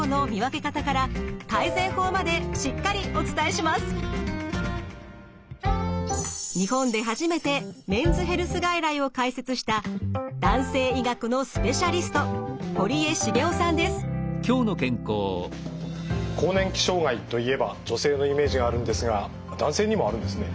そこで今日は日本で初めてメンズヘルス外来を開設した男性医学のスペシャリスト更年期障害といえば女性のイメージがあるんですが男性にもあるんですね。